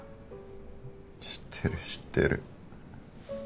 知ってる知ってる。